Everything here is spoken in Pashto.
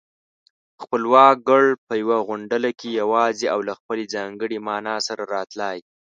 خپلواک گړ په يوه غونډله کې يواځې او له خپلې ځانګړې مانا سره راتلای